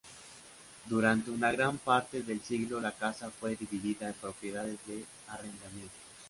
Durante una gran parte del siglo la casa fue dividida en propiedades de arrendamiento.